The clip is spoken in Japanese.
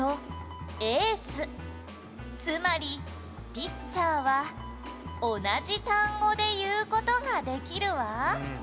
「つまりピッチャーは同じ単語で言う事ができるわ」